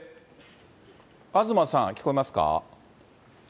東さん、聞こえますか？